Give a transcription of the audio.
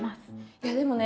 いやでもね